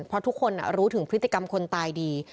เพราะทุกคนรู้ถึงพฤติกรรมคนตายดี